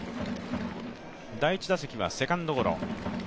第１打席はセカンドゴロ。